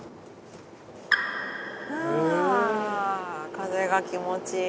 風が気持ちいい。